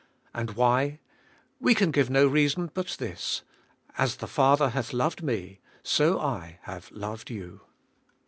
And why? We can give no reason but this: 'As the Father hath Igved me, so I have loved you.'